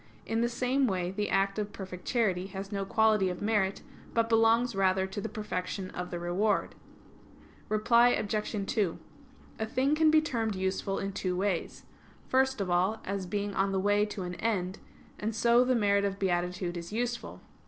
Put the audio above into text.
In the same way the act of perfect charity has no quality of merit, but belongs rather to the perfection of the reward. Reply Obj. 2: A thing can be termed useful in two ways. First of all, as being on the way to an end; and so the merit of beatitude is useful.